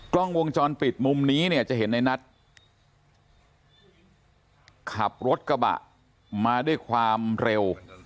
กล้องวงจรปิดมุมนี้เนี่ยจะเห็นในนัทขับรถกระบะมาด้วยความเร็ว